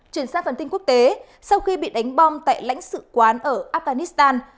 chuyển sang phần tin quốc tế sau khi bị đánh bom tại lãnh sự quán ở afghanistan